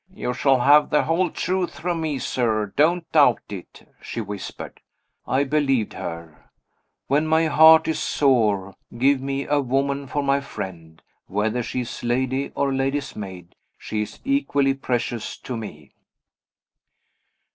"You shall have the whole truth from Me, sir, don't doubt it," she whispered. I believed her. When my heart is sore, give me a woman for my friend. Whether she is lady or lady's maid, she is equally precious to me.